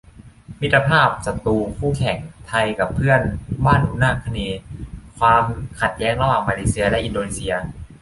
มิตรภาพ ศัตรู คู่แข่ง ไทยกับเพื่อนบ้านอุษาคเนย์ : ความขัดแย้งระหว่างมาเลเซียและอินโดนีเซีย